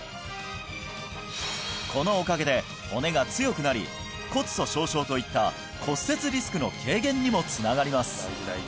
このおかげで骨が強くなり骨粗しょう症といった骨折リスクの軽減にもつながります